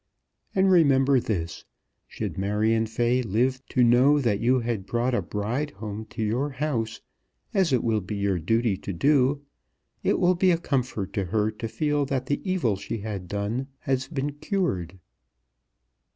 And remember this. Should Marion Fay live to know that you had brought a bride home to your house, as it will be your duty to do, it will be a comfort to her to feel that the evil she has done has been cured.